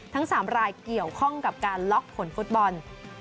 ทั้ง๓รายเกี่ยวข้องกับการล็อกผลฟุตบอล